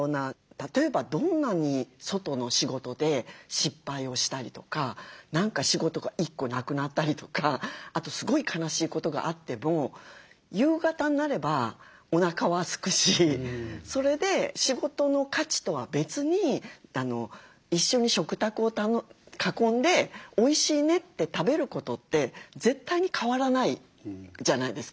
例えばどんなに外の仕事で失敗をしたりとか何か仕事が１個なくなったりとかあとすごい悲しいことがあっても夕方になればおなかはすくしそれで仕事の価値とは別に一緒に食卓を囲んで「おいしいね」って食べることって絶対に変わらないじゃないですか。